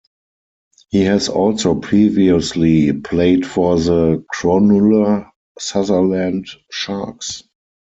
He has also previously played for the Cronulla-Sutherland Sharks.